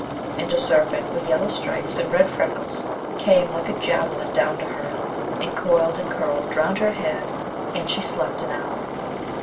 And a serpent with yellow stripes and red freckles came like a javelin down to her, and coiled and curled round her head, and she slept an hour.